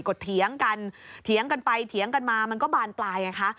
ก็เถียงกันเถียงกันไปเถียงกันมามันก็บานปลายไงคะ